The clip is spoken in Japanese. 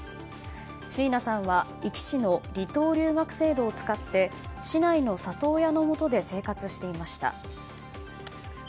椎名さんは壱岐市の離島留学制度を使って市内の里親のもとで生活していました。